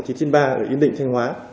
ở yên định thanh hóa